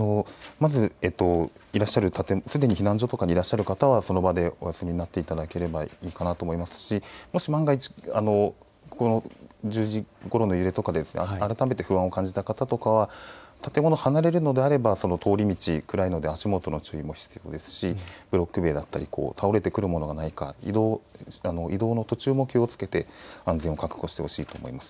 まずいらっしゃる建物にすでに避難所にいらっしゃる方はその場でお休みになっていただければいいと思いますしもし万が一１０時ごろの揺れとか改めて不安を感じた方とかは建物を離れるのであれば通り道、暗いので足元の注意も必要ですしブロック塀だったり倒れてくるものがないか移動の途中も気をつけて安全を確保してほしいと思います。